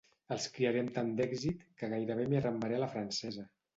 Els criaré amb tant d'èxit que gairebé m'hi arrambaré a la francesa.